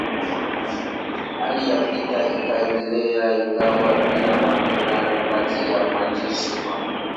Hali ya vita ikaendelea ingawa bila mapigano kati ya majeshi makubwa.